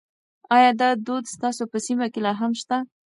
ایا دا دود ستاسو په سیمه کې لا هم شته؟